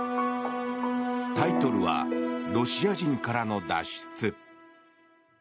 タイトルは「ロシア人からの脱出」。